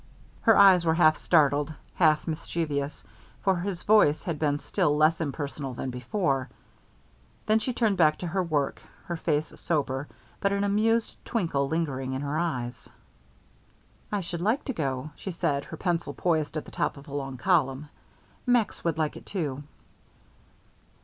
Her eyes were half startled, half mischievous, for his voice had been still less impersonal than before. Then she turned back to her work, her face sober, but an amused twinkle lingering in her eyes. "I should like to go," she said, her pencil poised at the top of a long column. "Max would like it, too."